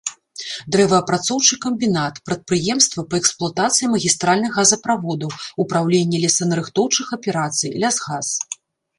Дрэваапрацоўчы камбінат, прадпрыемства па эксплуатацыі магістральных газаправодаў, упраўленне лесанарыхтоўчых аперацый, лясгас.